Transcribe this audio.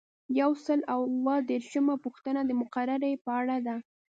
یو سل او اووه دیرشمه پوښتنه د مقررې په اړه ده.